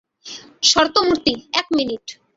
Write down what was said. সত্যমুর্তি, এক মিনিট।